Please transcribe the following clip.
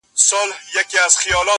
پلار یې خړي سترګي کښته واچولې!!